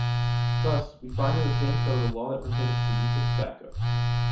Thus, we find in the same code a law that prohibits the use of tobacco.